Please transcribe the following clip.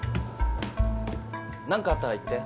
何かあったら言って。